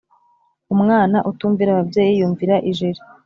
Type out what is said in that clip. Umwana utumvira ababyeyi yumvira ijeri